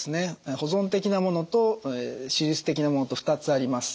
保存的なものと手術的なものと２つあります。